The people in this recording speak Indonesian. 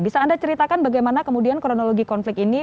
bisa anda ceritakan bagaimana kemudian kronologi konflik ini